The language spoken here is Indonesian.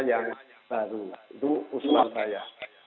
dan kemudian kembali ke sekolah sekolah lainnya